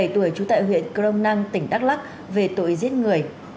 một mươi bảy tuổi chú tại huyện crong năng tỉnh đắk lắc về tội giết người